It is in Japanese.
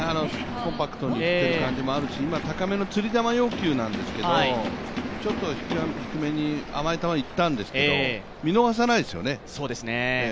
コンパクトに振っている感じもあるし、今、高めの釣り球要求なんですけどちょっと低めに甘い球いったんですけど見逃さないですよね。